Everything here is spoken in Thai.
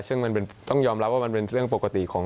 ซึ่งมันต้องยอมรับว่ามันเป็นเรื่องปกติของ